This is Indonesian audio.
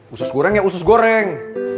usus kurang ya usus goreng